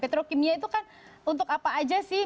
petrokimia itu kan untuk apa aja sih